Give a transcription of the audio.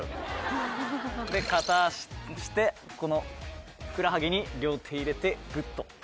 片脚このふくらはぎに両手入れてグッと。